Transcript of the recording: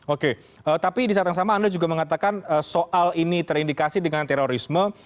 oke tapi di saat yang sama anda juga mengatakan soal ini terindikasi dengan terorisme